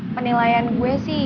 penilaian gue sih